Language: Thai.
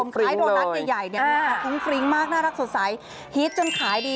คล้ายโดนัสใหญ่เนี่ยนะคะพรุ้งฟริ้งมากน่ารักสวยใสฮีตจนขายดี